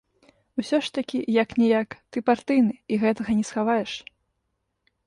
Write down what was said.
Усё ж такі як-ніяк ты партыйны і гэтага не схаваеш.